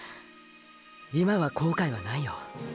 今は後悔はないよ。